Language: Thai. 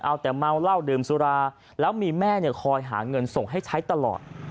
เอาแต่เมาเหล้าดื่มสุราแล้วมีแม่คอยหาเงินส่งให้ใช้ตลอด